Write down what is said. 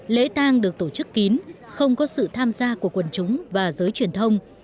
lễ tang được tổ chức kín không có sự tham gia của quần chúng và giới truyền thông